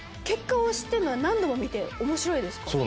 結果を知ってるのに何度も見ておもしろいですか？